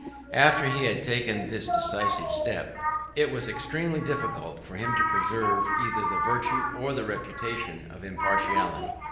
After he had taken this decisive step, it was extremely difficult for him to preserve either the virtue, or the reputation of impartiality.